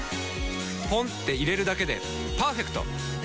ポンって入れるだけでパーフェクト！